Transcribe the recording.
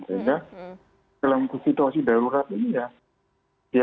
sehingga dalam situasi darurat ini ya